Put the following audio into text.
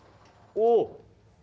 お。